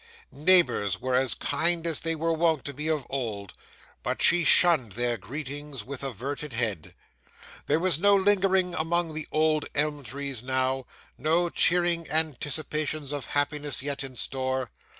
Neighbours were as kind as they were wont to be of old, but she shunned their greetings with averted head. There was no lingering among the old elm trees now no cheering anticipations of happiness yet in store.